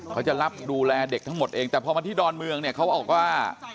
เขาจะรับดูแลเด็กทั้งหมดเองแต่พอมาที่ดอนเมืองเนี่ยเขาบอกว่า